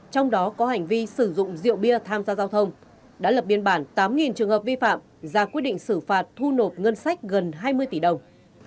trong đó có hành vi sử dụng rượu bia tham gia giao thông đã lập biên bản tám trường hợp vi phạm ra quyết định xử phạt thu nộp ngân sách gần hai mươi tỷ đồng